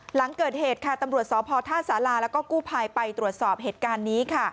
หลังเกิดเหตุกภพท่าศาลาแล้วก็กู้ภายไปตรวจสอบเหตุการณ์นี้